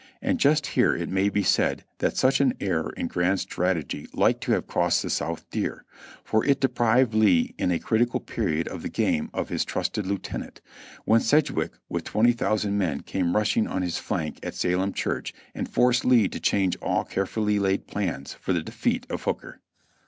And just here it may be said that such an error in grand strategy like to have cost the South dear, for it deprived Lee in a critical period of the game of his trusted lieutenant, when Sedgwick with 20,000 men came rushing on his flank at Salem Church, and forced Lee to change all carefully laid plans for the defeat of Hooker.